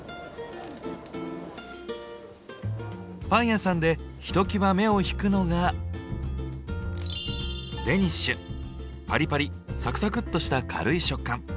パン屋さんでひときわ目を引くのがパリパリサクサクッとした軽い食感。